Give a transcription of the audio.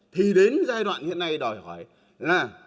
thì đến giai đoạn hiện nay đòi hỏi là